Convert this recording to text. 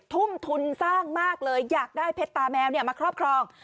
ทุ่มทุนสร้างมากเลยอยากได้เพชรตาแมวมาครอบครอง